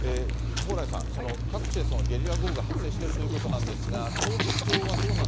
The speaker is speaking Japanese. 蓬莱さん、各地でゲリラ豪雨が発生しているということなんですが、東京はど